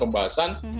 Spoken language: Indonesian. tidak ada aturannya